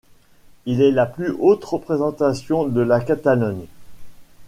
Il est la plus haute représentation de la Catalogne.